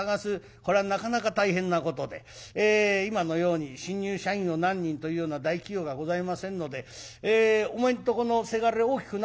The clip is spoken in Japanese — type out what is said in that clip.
これはなかなか大変なことで今のように新入社員を何人というような大企業がございませんので「お前んとこのせがれ大きくなったろ？